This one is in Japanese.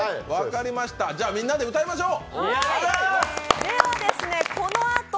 じゃ、みんなで歌いましょう。